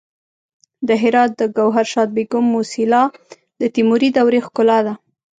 د هرات د ګوهرشاد بیګم موسیلا د تیموري دورې ښکلا ده